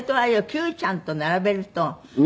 九ちゃんと並べると。